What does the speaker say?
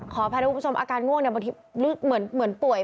ขออภัยนะผู้ประชมอาการง่วงประทิบคลิปเหมือนป่วย